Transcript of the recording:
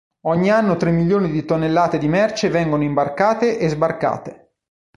Ogni anno tre milioni di tonnellate di merce vengono imbarcate e sbarcate.